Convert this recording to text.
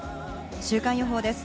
週間予報です。